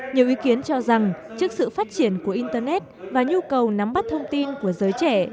nhiều ý kiến cho rằng trước sự phát triển của internet và nhu cầu nắm bắt thông tin của giới trẻ